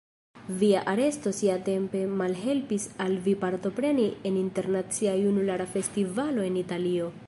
Via aresto siatempe malhelpis al vi partopreni en Internacia Junulara Festivalo en Italio.